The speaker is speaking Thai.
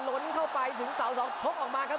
ล้นเข้าไปถึงเสาสองชกออกมาครับ